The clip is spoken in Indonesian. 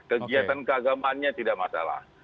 kegiatan keagamannya tidak masalah